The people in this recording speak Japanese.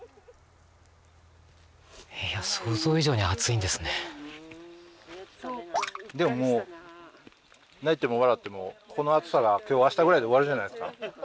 いやでもでももう泣いても笑ってもこの暑さが今日明日ぐらいで終わるじゃないですか。